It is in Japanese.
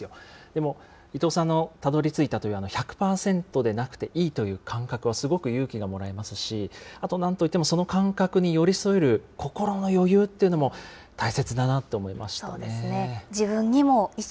でも、伊藤さんのたどりついたという１００％でなくていいという感覚はすごく勇気がもらえますし、あと、なんといってもその感覚に寄り添える心の余裕ってのも大切だなと思いましたね。